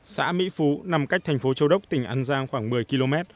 xã mỹ phú nằm cách thành phố châu đốc tỉnh an giang khoảng một mươi km